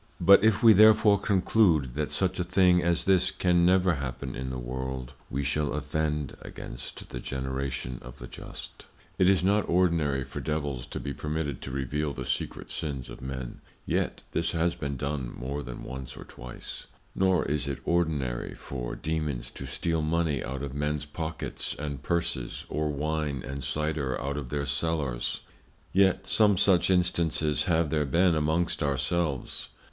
But if we therefore conclude, that such a thing as this can never happen in the World, we shall offend against the Generation of the Just: It is not ordinary for Devils to be permitted to reveal the secret Sins of Men; yet this has been done more than once or twice: Nor is it ordinary for Dæmons to steal Money out of Mens Pockets, and Purses, or Wine and Cyder out of their Cellars. Yet some such Instances have there been amongst our selves.